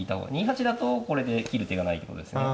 ２八だとこれで切る手がないってことですね。